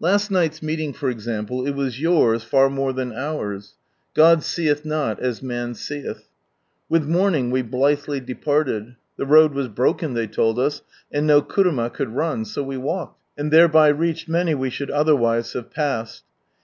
Last night's meeting, for example, it was yours far more than ours. God seeth not as man seeth. With morning we blithely departed. The road was broken, they told us, and no kuruma could run, so we walked, and (hereby reached many we should other wise have passed.